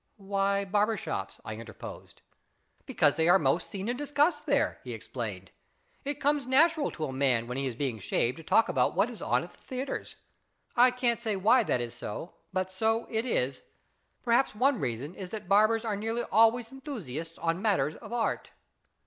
" Why barbers' shops ?" I interposed. " Because they are most seen and discussed there," he explained. " It comes natural to a man when he is being shaved to talk about what is on at the theatres. I can't say why that is so, but so it is. Perhaps one reason is that barbers are nearly always enthusiasts on matters of art.